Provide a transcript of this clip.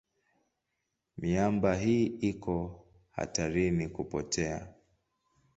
Miamba hii iko hatarini kupotea.